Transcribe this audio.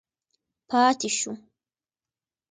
پاتې شو.